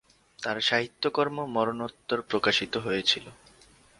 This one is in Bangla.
তার সাহিত্যকর্ম মরণোত্তর প্রকাশিত হয়েছিল।